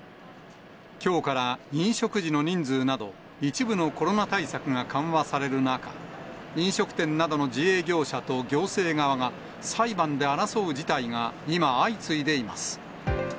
きょうから飲食時の人数など、一部のコロナ対策が緩和される中、飲食店などの自営業者と行政側が、裁判で争う事態が今、相次いでいます。